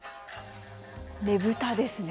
ねぶたですね。